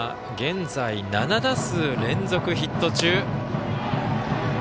現在７打数連続ヒット中。